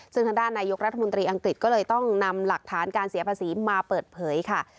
ซึ่งทางด้านนายกรัฐมนตรีอังกฤษก็เลยต้องนำหลักฐานการเสียภาษีมาเปิดเผยค่ะ